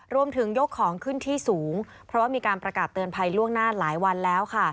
ยกของขึ้นที่สูงเพราะว่ามีการประกาศเตือนภัยล่วงหน้าหลายวันแล้วค่ะ